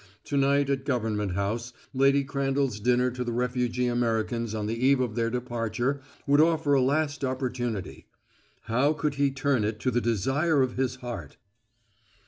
To night at Government House Lady Crandall's dinner to the refugee Americans on the eve of their departure would offer a last opportunity. How could he turn it to the desire of his heart?